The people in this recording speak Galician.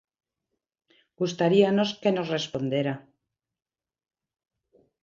Gustaríanos que nos respondera.